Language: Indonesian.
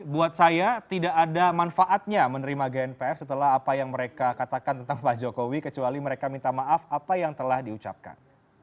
buat saya tidak ada manfaatnya menerima gnpf setelah apa yang mereka katakan tentang pak jokowi kecuali mereka minta maaf apa yang telah diucapkan